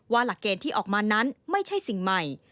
หลักเกณฑ์ที่ออกมานั้นไม่ใช่สิ่งใหม่